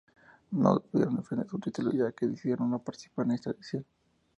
No pudieron defender su título ya que decidieron no participar en esta edición.